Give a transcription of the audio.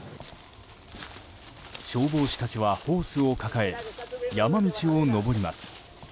消防士たちはホースを抱え山道を登ります。